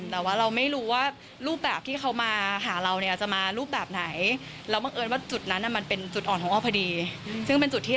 ที่แบบคนแอบอ้างชื่อเราไปใช้ในทางที่ไม่ดี